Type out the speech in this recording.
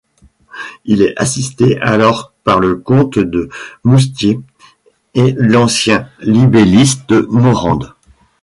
Il est assisté alors par le comte de Moustier et l'ancien libelliste Morande.